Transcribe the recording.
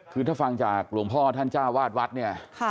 คือถ้าฟังจากหลวงพ่อท่านจ้าวาดวัดเนี่ย